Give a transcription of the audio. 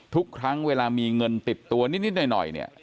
ทุกครั้งเวลามีเงินติดตัวนิดหน่อยเนี่ย